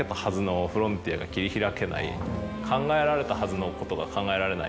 考えられたはずのことが考えられない。